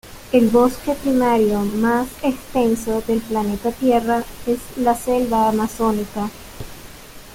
El bosque primario más extenso del planeta Tierra es la Selva Amazónica.